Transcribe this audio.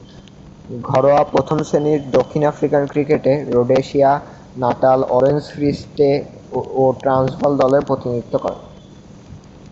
ঘরোয়া প্রথম-শ্রেণীর দক্ষিণ আফ্রিকান ক্রিকেটে Rhodesia, Natal, Orange Free State ও ট্রান্সভাল দলের প্রতিনিধিত্ব করেন।